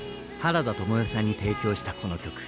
原田知世さんに提供したこの曲